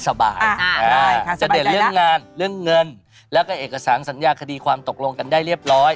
สบายจะเด่นเรื่องงานเรื่องเงินแล้วก็เอกสารสัญญาคดีความตกลงกันได้เรียบร้อย